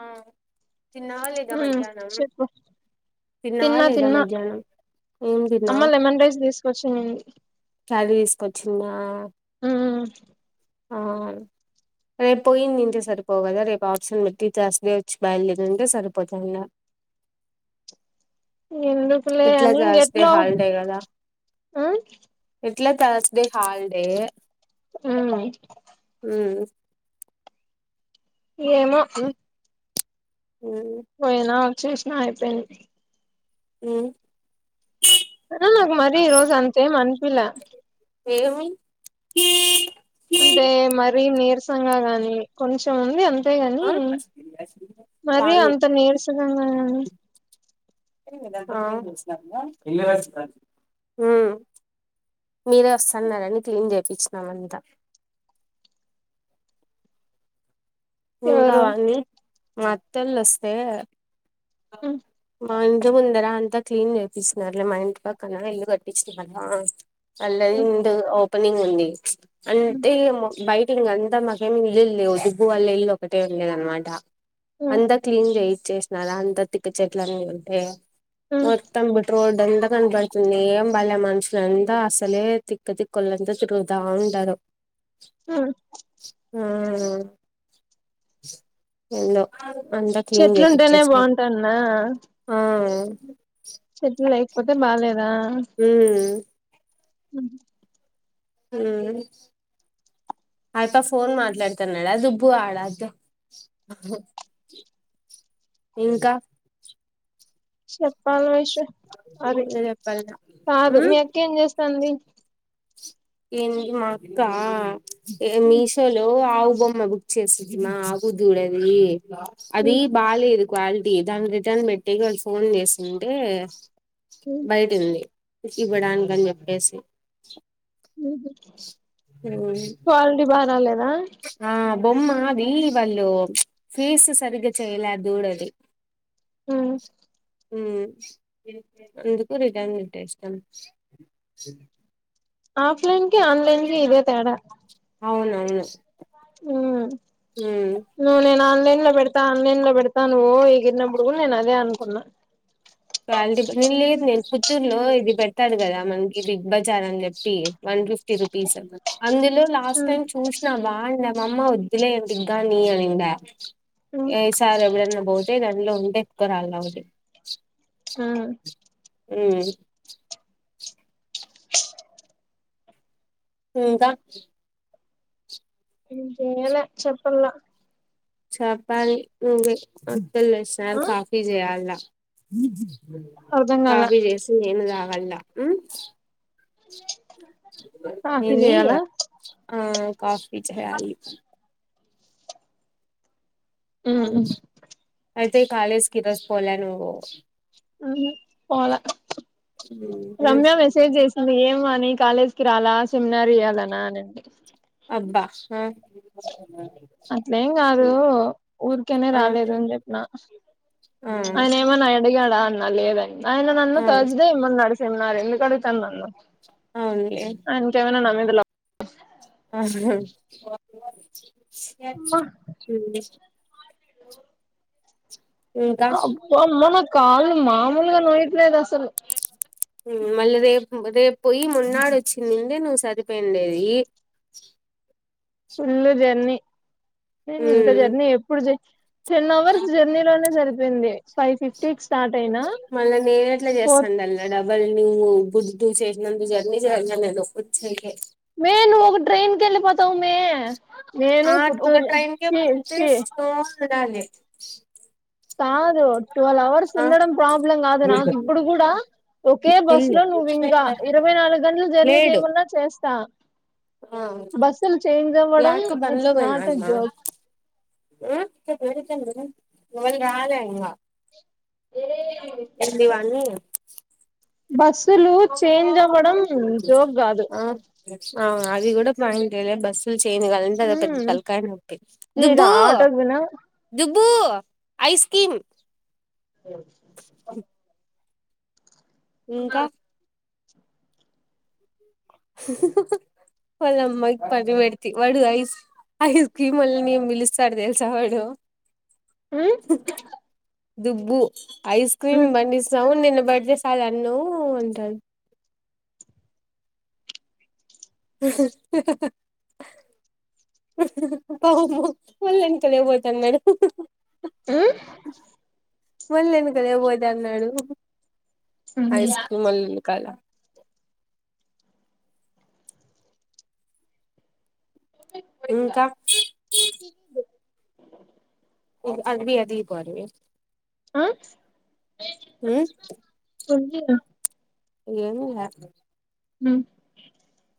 ఆ తిన్నావ లేదా ఉమ్ మధ్యాహ్నం చెప్పు తిన్నావా తిన్నా లేదా తిన్నా మధ్యాహ్నం ఏం అమ్మ తిన్నావ్ లెమన్ రైస్ తీసుకొచ్చినింది కారీ తీసుకొచ్చిందా ఆ హ రేపు పోయిందింటే సరిపో కదా రేపు ఆప్షన్ పెట్ టీచస్డ వచ్చి బయలుదేదంటే సరిపోతాలా [unintelligible] ఎందుకులే ఇట్లా అని జస్తే ఇంగెట్లో హల్ డే కదా ఉమ్ ఇట్లా చిస్తే హాలిడే ఆ ఉ ఏమో ఉమ్ ఉమ్, పోయినా వచేసినా అయిపోయింది అ సరే నాకు మరీ ఈ రోజు అంతేం అనిపిలే ఏమీ అంటే మర నీరసంగా గాని కొంచెం ఉంది అంత అంతే ని ఆ మరి వాణి అంత నీరసగంగా [unintelligible] మీరే వస్తున్నారని క్లీన్ చేయిచ్చినాం అంత ఇకా ఎవరు వాగి మ మత్తలు వస్తే ఉమ్ మా ఇంట్లో ముందర అంతా క్లీన్ చేయిస్తున్నారు మా ఇంట్ పక్కన ఇల్లు కట్టించిన వాళ్దా అల్లది ఉమ్ ఇందు ఓపెనింగ్ ఉంది అంటే యీ బయట అంతా మాకేమి ఇల్లు లేవు దుగబగు వాళ్ళ ఇల్లు ఒకటే వుండే అనమాట ఉమ్ అంతా క్లీన్ చే చేసిన అంత తిక్క చెట్లన్న ఉంటే ఉమ్ మొం రోడ్ పెంత కనపడుతుంది ఏం పళ్లేె మనుషులంతా అసలే తిక్క్కతికులంతా తిరుగుతా ఉంటారు ఆ ఆ ఎందో అంతా క్లీన్ చెట్లుంటేనే చేయిచ్చేస్తునామ్ బాగుంటాన్నా ఆ చె అయిపోతే బాలేదు హ అ [unintelligible] హ అయప్ప ఫోన్ మాట్లాడతాను నాడా దుబ్బు ఆడాదు [unintelligible] ఇంకా చెప్పాలి విష హరి చెప్పాల కాదు మీ అక్కేం చేస్తాంది ఎంది మ అక్క ఏ మీషోలో పావు బొమ్మ బుక్ చేసమా ఆవు దూడది అది బాల క్వాలిటీ దాని రిటర్న్ పెట్టటికి వాళ్ళు ఫోన్ చేస్తుంటే బయటి ఉంది ఇకి బడన్గంజ అబ్ప్పేస ఉహు, క్వాలిటీ బా రాలేదా. ఆ బొమ్మ అది వాళ్ళు ఫేస్ సరిగ్గా చేయలే దూడ ది ఉమ్ అందుకు రిటర్న్ పెట్టేసినాం ఆఫ్లైన్ కి, ఆన్లైన్కి ఇదే తేడా అవునవును ఉమ్ నువ్వు నేన్ ఆన్లైన్ లో పెడతా ఆన్లైన్ లో పెడాత ఓ ఎగిరిన్నప్పుడు కూడా నేను అదే అనుకున్నా. క్వాలిటీ నేను లేదు నేను పుత్తూరులో ఇది పెడతాడు కదా మనకి బిగ్ బజార్ అని చెప్పి వాల్ వన్ ఫిఫ్టీ రూపీస్ అందులో లాస్ట్ టైమ్ చూసిన బాగుండ మామ్మ వద్దులే దిగగా న అనిండ ఈ సార్ ఎప్పుడన్నా పోతే దాన్లో ఉంటే ఎత్కు రావాలన్న ఒకటి హ్మ్మ్ హ్మ్ క ఎమ్ లే చెప్పలా చెప్పాలి నువ్వే అత్తోళ్ళు లెగిసినారు ఆ కాఫీ చేయాలాల అర్ధం కాల కాఫీ చేసి నేనుతగల కాఫీ ఎంది, చేయాలా ఆ కాఫీ చేయాలి అయితే కాలేజ్ కి ఈరోజ్ పోలే నువ్వు ఉహు పోలా ఉమ్ రమ్య మెసేజ్ చేసింది ఏమ అని కాలేజ్ కిరాలా సెమినార్ ఇయాలనా అన్నండి అబ్బ ఉ అట్లేం కాదు ఊరికేనే రాలేదు ఆ అని చెప్పిన. ఆ అనేమనా అడిగ్ అన్నా లేదండి ఆయన నన్ను ఆ తజదే ఇవమనాడు సెమినార్ ఎందుకు అడుగుతాడు నన్ను అవునులే ఆయనకి ఏవైనా నా మీద లవ్ అమ్మా ఆహు ఇంకా అబ్బ అమ్మ నా కాళ్ళు మామూలుగా నోయ్యట్లేదు అసలు మళ్ళీ రేపు రేపు పోయి మన్నాడు వచ్చిందిండే నువ్వు సరిపోయిండేది. ఫుల్ జర్నీ నేను ఇంత ఉమ్, జర్నీ ఎప్పుడు చేయ్ టెన్ అవర్స్ జర్నీ లోనే సరిపోయింది ఫైవ్ ఫిఫ్టీ మళ్ళా నేను ఎట్లా చేస్తానల్ డబ్బు రి ను బుద్బు చే నందు జర్నీ చే అమే నువ్వు ట్రైన్ కేలీపోతావు అమే నేను ఆ కుత్తూ చి చి పోస్టడేలీ కాదు ట్వల్వ్ అవర్స్ ఆ ఉండడం ప్రాబ్లం కాదు నాకు ఇప్పుడు కూడా ఒకే బస్ వెళ్ళు లో నువ్ ఇంకా ఇరవై ఇవై నాలుగు గంటలు జర్నీ లేడు చేయమన్నా చేస్తా ఆ బస్సులు చేంజ్ అవ్వడం బ్యాక్కు బందలో ఇట్స్ పోయిన నాట్ ఎ అమ్మా జోక్ ఉమ్ ఇవాళ రాలే ఇంగ ఎంటి ఇవన్నీ బస్సులు చేంజ్ అవ్వడం జోక్ కాదు అ అది కూడా పాయింటెలే బస్సు తెనుగవాలంటే అది ఓ పెద్ద హ్మ్ తలకైనొప్పి ఈడ దుబ్బు ఆటోకు పోయిన దుబ్ బ్బు ఐస్క్రీమ్ ఓ ప సి ఇంకా పదమ్మ ఇ పని పెడత వడు అయిస్ ఐస్ క్రీమ్ వాళ్లని ఎం పిలుస్తాడు తెలుసా వాడు ఊ దుబ్బు ఐస్ క్రీమ్ బండి సౌండ్ వినీ వెయిట్ చేస్తదీ అన్నో అంటాడు [unintelligible] పోతాన్నడు ఆ మళ్ళీ వెనకలే పోత అన్నాడు ఐస్ క్రీమ్ అన్న వెనుకాల ఇంకా ఆది ఆదిపో ఆది ఆ [unintelligible] ఏమో లేకపోతే హు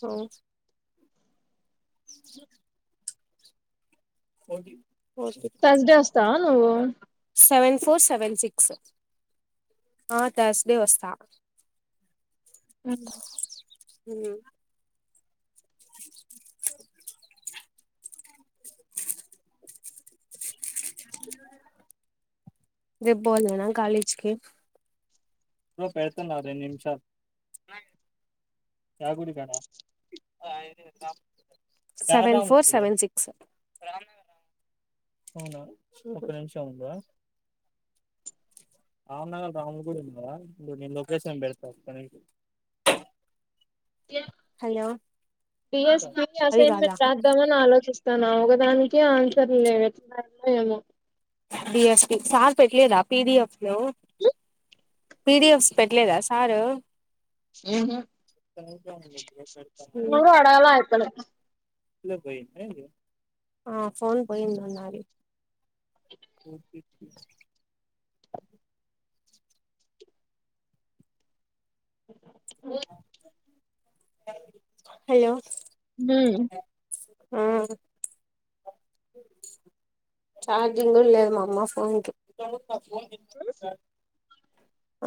సోక్స్ సో కొటి తర్సడే వస్తావా నువ్వు సెవెన్ ఫోర్ సెవెన్ సిక్స్ ఆ తర్స్ డే వస్తా హు రేపు బోలానా కాలేజ్ కి బ్రో పెడుతన్నా రెండు నిమిషాలు యా గుడి కాడా సెవెన్ ఫోర్ సెవెన్ సిక్స్ అవునా ఒక నిమిషం ఉండు అమ్నగల్ రామునీ గుడి ఉందా ఉండు నేను లోకేషన్ బెడతా ఒక్క నిమిషం హలో యుగో సేమ్ అది కాదా అసైన్మెంట్ రాద్దామని ఆలోచిస్తాన్న ఒక దానికి ఆన్సర్ లేవు ఎట్లా రాయాలో ఏమో బీఎస్పీ సార్ పెట్టలేదా పిడిఎఫ్ లో పీడిఎఫ్స్ పెట్టలేదా సారు ఉహు ఎవరూ అడగలే అయ్యప్పని ఆ ఫోన్ పోయింది అన్నాది కోపిప్పి ఓ అయ్యో నో ఆ చార్జింగ్ కూడా లేదు మామ్మా ఫోన్కి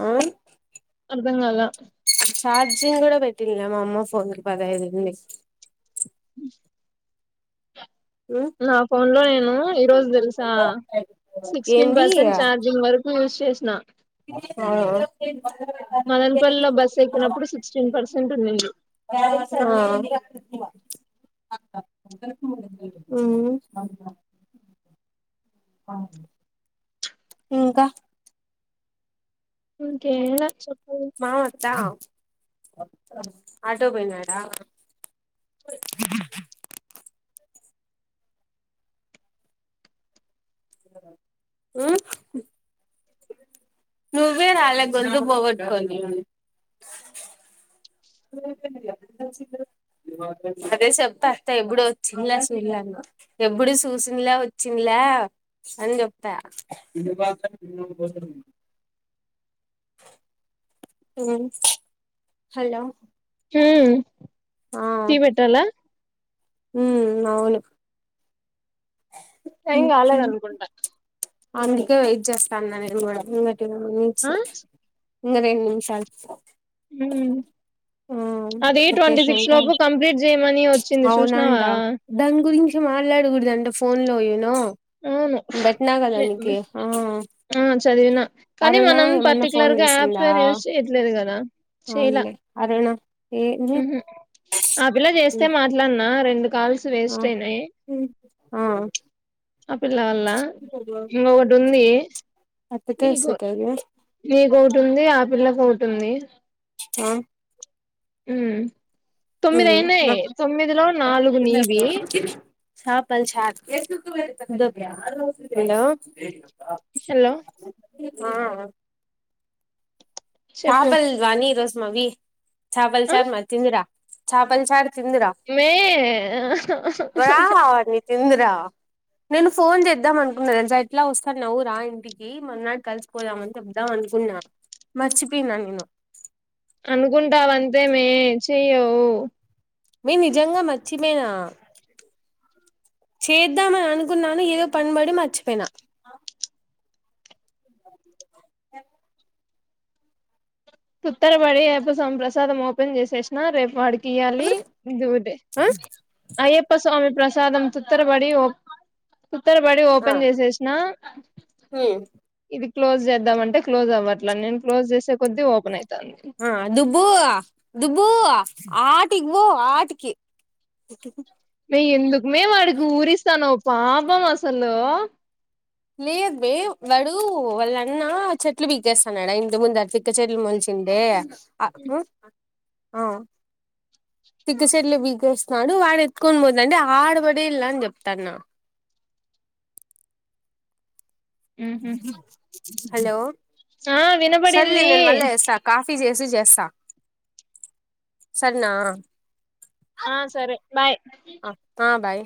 ఆ అర్థం కాలే ఛార్జింగ్ కూడా పెట్టిండ్లే మా అమ్మ ఫోన్ కి పదహైదు ఉంది బ నా ఫోన్ లో నేను ఈ రోజు తెలుసా సిక్స్టీన్ ఏంది పర్సెంట్ చార్జింగ్ వరకు యూజ్ చేసిన ఆ మదనపల్లిలో బస్ ఎక్కినప్పుడు సిక్స్టీన్ పర్సెంట్ ఉండింది ఆ [inaudible] ఆ ఊ ఇంకా ఇంకేం లే చెప్పు మామ అత్త ఆటోకి పోయినాడా ఆ నువ్వే రా అలా గొంతు పోగొట్టుకొని నువ్వేనా అన్నిటికి సిద్ధం సరే చెప్తా ఎప్పుడు వచ్చింది అసలు ఇల్లంతా ఎప్పుడు చూసిందిలే వచ్చిందిలే ఆ సరే చెప్తా మ్మ్ హలో మ్మ్ హ్ టీ పెట్టాలా మ్మ్ అవును ఏం కాలేదు అనుకుంట అందుకే వెయిట్ చేస్తా అన్నా నేను కూడా టు మినిట్స్ ఆ ఉన్నదే రెండు నిమిషాలు మ్మ్ హ్హ్ ఆ అది ట్వంటీ సిక్స్ వచ్చేసినంక లోపు కంప్లీట్ చేయమని వచ్చింది చూసినావా మాట్లాడకూడదు అంటే ఫోన్ లోను అవును పెట్టిన కదా అందుకే ఆ చదివినా కానీ మనం ఫోన్ పర్టికులర్ గా యాప్ చేసిందా పేరు యూజ్ చేయట్లేదు కదా చేయలా అవునులే అదేనా ఏంది ఊహూ ఆ పిల్ల చేస్తే మాట్లాడిన రెండు కాల్స్ ఆ వేస్ట్ అయినయ్ ఆ ఆ పిల్ల వల్ల ఇంకోటి ఉంది అత్తకే నీకు ఇస్తది నీకొకటి ఉంది ఆ పిల్లకు ఒకటి ఉంది ఆ మ్మ్ తొమ్మిది అయింది తొమ్మిదిలో నాలుగు నీవి హలో హలో ఆ చెప్పు చాపల్ చారు నాది ఇ రోజు చాపల్ ఆ చారు నచ్చింది గా తిందువు మే రా నేను ఫోన్ చేద్దాం అనుకున్న తెల్సా ఎట్లాగు వస్తాడులే రా ఇంటికి మనం కలిసిపోదాము అని చెప్దాం అనుకున్నా మరిచిపోయినా నేను అనుకుంటావు అంతే గాని చెయ్యవు నేను నిజంగా మర్చిపోయిన చేద్దామని అనుకున్నాను ఏదో పనిబడి మర్చిపోయినా తొందరపడి అయ్యప్ప స్వామి ప్రసాదం ఓపెన్ చేసేసినా రేపు వాడికి ఇయ్యాలి ఇది ఒకటి ఆ అయ్యప్ప స్వామి ప్రసాదం తొందరపడి ఓపెన్ చేసేసిన మ్మ్ ఇది క్లోజ్ చేద్దామంటే క్లోజ్ అవ్వట్లే నేను క్లోజ్ చేసే కొద్ది ఓపెన్ అయి ఆ దుబ్బు దుబ్బు ఆడికి పొ ఆడికి వే ఎందుకమ్మి వాడికి ఊరిస్తన్నావు పాపం అసలు లేదు వే వాడు వాళ్ళన్నా చెట్లు బీకేస్తాన్నడా ఇంటి ముందు అ పిచ్చి చెట్లు మొలిచినవి ఉండే ఆ పిచ్చి చెట్లు పికేస్తున్నాడు వాడు ఎత్తుకొని పోతుంటే ఆడపడేయిళ్ళి అని చెప్తాన్న ఉహు హలో ఆ సార్ వినబడింది నేను మళ్ళ చేస్తా కాసేపాగి టిఫిన్ చేసి చేస్తా సరేనా ఆ సరే బాయ్ అక్క బాయ్